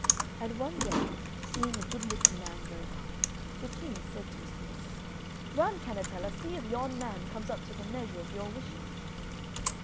And one day, seeing a good looking man go by, the King said to his daughter, "Run, Cannetella! see if yon man comes up to the measure of your wishes."